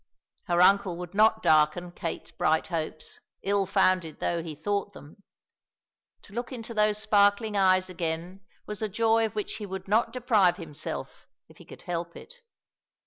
Her uncle would not darken Kate's bright hopes, ill founded though he thought them. To look into those sparkling eyes again was a joy of which he would not deprive himself, if he could help it.